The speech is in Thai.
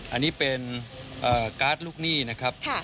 อันนี้เป็นการ์ดลูกหนี้นะครับ